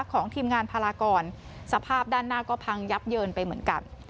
ของทีมงานพารากรสภาพด้านหน้าก็พังยับเยินไปเหมือนกัน